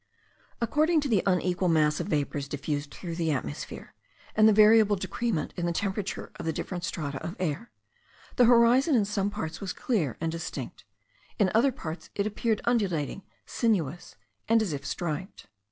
According to the unequal mass of vapours diffused through the atmosphere, and the variable decrement in the temperature of the different strata of air, the horizon in some parts was clear and distinct; in other parts it appeared undulating, sinuous, and as if striped.